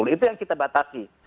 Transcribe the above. itu yang kita batasi